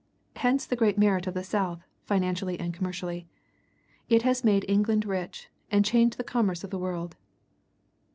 Hence the great merit of the South, financially and commercially. It has made England rich, and changed the commerce of the world.